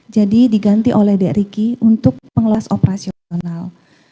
jadi diganti oleh drk untuk pengelolaan kas operasional